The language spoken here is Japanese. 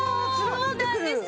そうなんですよ。